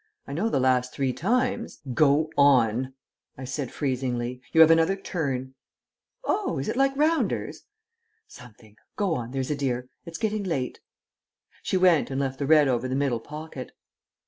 I know the last three times " "Go on," I said freezingly. "You have another turn." "Oh, is it like rounders?" "Something. Go on, there's a dear. It's getting late." She went, and left the red over the middle pocket.